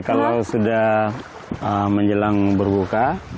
kalau sudah menjelang berbuka